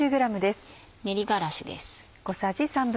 練り辛子です。